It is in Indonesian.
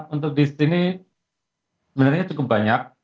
untuk disini sebenarnya cukup banyak